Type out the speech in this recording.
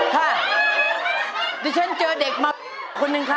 ค่ะได้เชิญเจอเด็กมาคนหนึ่งค่ะ